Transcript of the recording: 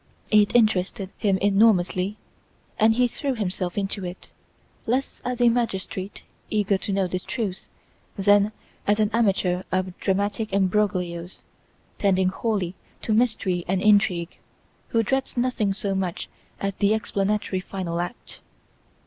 It interested him enormously, and he threw himself into it, less as a magistrate eager to know the truth, than as an amateur of dramatic embroglios, tending wholly to mystery and intrigue, who dreads nothing so much as the explanatory final act.